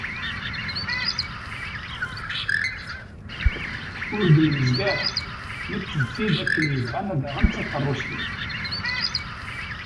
Ur d-nemzeg ara nekk d tid akken yebɣan ad aɣent takerrust-iw.